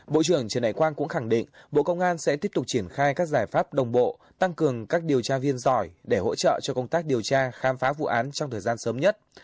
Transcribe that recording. bộ trưởng trần đại quang cũng khẳng định bộ công an sẽ tiếp tục triển khai các giải pháp đồng bộ tăng cường các điều tra viên giỏi để hỗ trợ cho công tác điều tra khám phá vụ án trong thời gian sớm nhất